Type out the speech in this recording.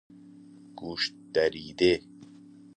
گوشدریده